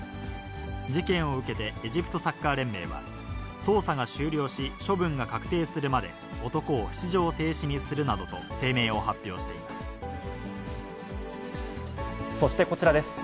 事件を受けてエジプトサッカー連盟は、捜査が終了し、処分が確定するまで、男を出場停止にするなどと声明を発表していそしてこちらです。